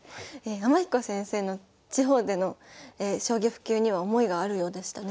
天彦先生の地方での将棋普及には思いがあるようでしたね。